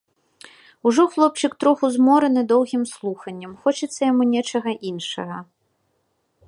Ужо хлопчык троху змораны доўгім слуханнем, хочацца яму нечага іншага.